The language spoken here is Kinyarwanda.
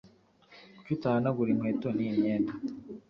Kuki utahanagura inkweto niyi myenda?